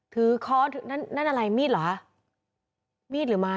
ค้อนั่นนั่นอะไรมีดเหรอมีดหรือไม้